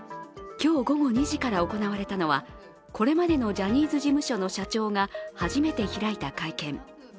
今日午後２時から行われたのは、これまでのジャニーズ事務所の社長が初めて開いた会見。